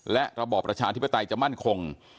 และระบอบประชาธิปไตยจะมั่นคง